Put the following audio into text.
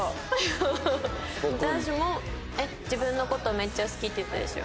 「自分の事めっちゃ好き」って言ったでしょ？